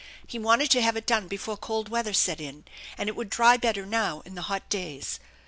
He wanted to have it done before cold weather set in, and it would dry better now in the hot days.